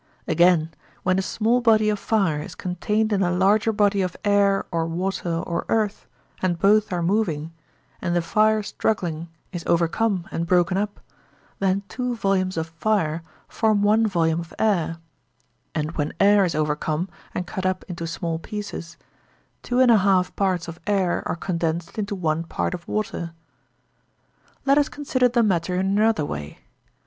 Again, when a small body of fire is contained in a larger body of air or water or earth, and both are moving, and the fire struggling is overcome and broken up, then two volumes of fire form one volume of air; and when air is overcome and cut up into small pieces, two and a half parts of air are condensed into one part of water. Let us consider the matter in another way.